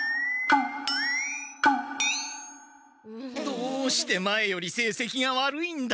どうして前よりせいせきが悪いんだ！